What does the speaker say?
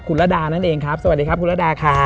คุณระดานั่นเองครับสวัสดีครับคุณระดาครับ